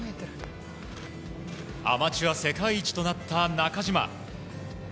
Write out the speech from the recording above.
アマチュア世界一となった中島。